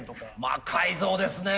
魔改造ですね！